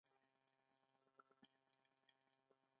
هغه د خپلې تر ټولو سترې هيلې د پوره کولو خوب ليده.